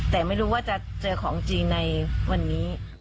แต่ไม่รู้ว่าจะเจอของจริงในวันนี้